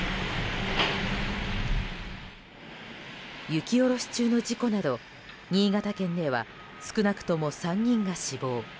雪下ろし中の事故など新潟県では少なくとも３人が死亡。